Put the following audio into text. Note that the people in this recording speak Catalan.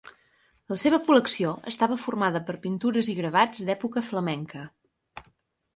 La seva col·lecció estava formada per pintures i gravats d'època flamenca.